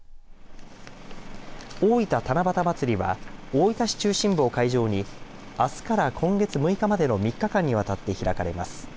大分七夕まつりは大分市中心部を会場にあすから今月６日までの３日間にわたって開かれます。